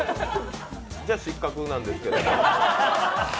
じゃあ、失格なんですけれども。